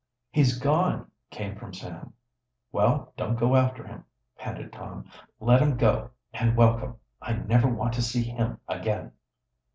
"He's gone!" came from Sam. "Well, don't go after him," panted Tom. "Let him go and welcome. I never want to see him again."